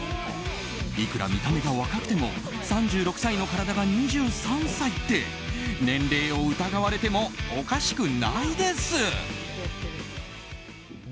いくら見た目が若くても３６歳の体が２３歳って年齢を疑われてもおかしくないです！